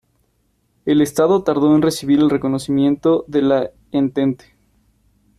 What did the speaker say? El Estado tardó en recibir el reconocimiento de la Entente.